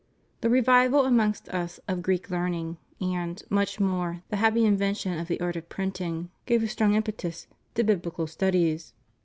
The revival amongst us of Greek learning, and, much more, the happy invention of the art of printing, gave a strong impetus to biblical studies.